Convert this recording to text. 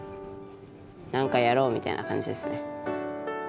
何かやろうみたいな感じですね。